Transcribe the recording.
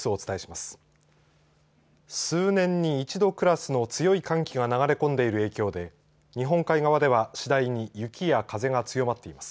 数年に一度クラスの強い寒気が流れ込んでいる影響で日本海側では次第に雪や風が強まっています。